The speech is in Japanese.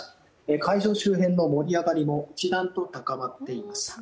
会場周辺の盛り上がりも一段と高まっています。